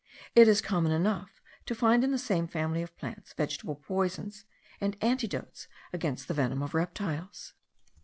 It is common enough to find in the same family of plants vegetable poisons, and antidotes against the venom of reptiles.